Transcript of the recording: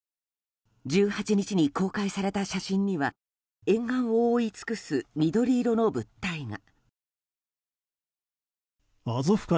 １８日に公開された写真には沿岸を覆い尽くす緑色の物体が。